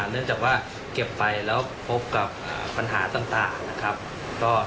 เนื่องจากว่าเก็บไปแล้วพบกับปัญหาต่างนะครับ